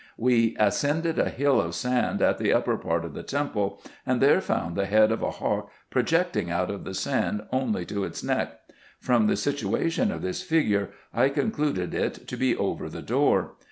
We ascended a hill of sand at the upper part of the temple, and there found the head of a hawk projecting out of the sand only to its neck. From the situation of this figure, I concluded it to be over the door.